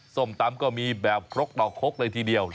ส้มตำก็มีแบบครกต่อครกเลยทีเดียว